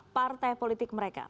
pilihan partai politik mereka